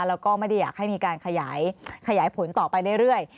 แล้วก็ไม่ได้อยากให้มีการขยายผลต่อไปเรื่อย